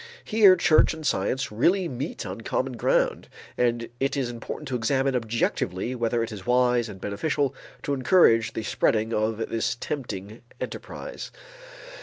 Here church and science really meet on common ground, and it is important to examine objectively whether it is wise and beneficial to encourage the spreading of this tempting enterprise.